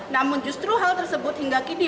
namun justru hal tersebut hingga kini